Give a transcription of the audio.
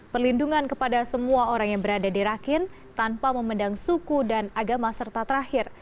perlindungan kepada semua orang yang berada di rakin tanpa memendang suku dan agama serta terakhir